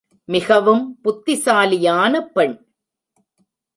மிகவும் புத்திசாலியான பெண்.